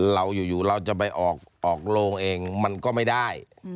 เราอยู่เราจะไปออกโรงเองมันก็ไม่ได้